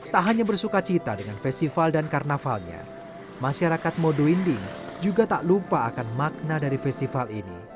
tak hanya bersuka cita dengan festival dan karnavalnya masyarakat modo inding juga tak lupa akan makna dari festival ini